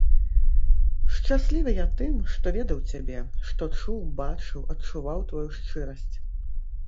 Шчаслівы я тым, што ведаў цябе, што чуў, бачыў, адчуваў тваю шчырасць.